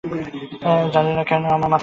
জানি না কেন আমি মাথা ঘামাচ্ছি।